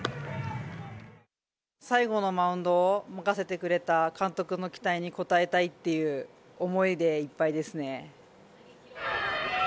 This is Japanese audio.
最後のマウンドを任せてくれた監督の期待に応えたいっていう思いでいっぱいですね。